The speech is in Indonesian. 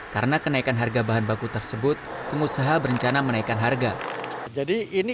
karena kenaikan harga bahan baku tersebut pengusaha berencana menaikkan harga jadi ini